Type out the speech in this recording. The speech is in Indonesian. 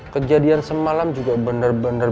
kejadian semalam juga bener bener